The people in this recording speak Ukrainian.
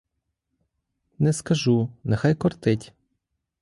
Не скажу, нехай кортить.